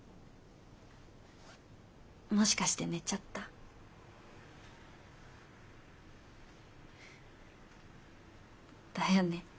もしかして寝ちゃった？だよね。